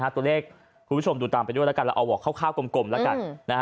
ตัวเลขคุณผู้ชมดูตามไปด้วยแล้วกันเราเอาบอกคร่าวกลมแล้วกัน